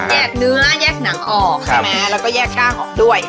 แยกเนื้อแยกหนังออกใช่ไหมแล้วก็แยกช่างออกด้วย